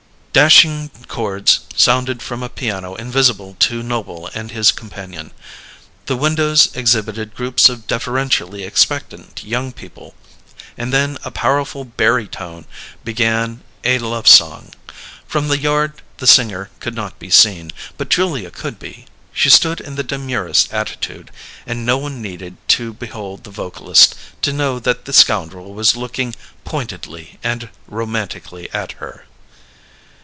Dashing chords sounded from a piano invisible to Noble and his companion; the windows exhibited groups of deferentially expectant young people; and then a powerful barytone began a love song. From the yard the singer could not be seen, but Julia could be: she stood in the demurest attitude; and no one needed to behold the vocalist to know that the scoundrel was looking pointedly and romantically at her.